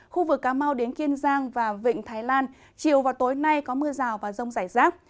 khu vực cà mau đến kiên giang và vịnh thái lan chiều và tối nay có mưa rào và rông rải rác